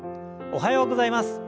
おはようございます。